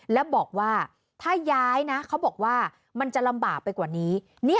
แล้วบอกว่าถ้าย้ายนะเขาบอกว่ามันจะลำบากไปกว่านี้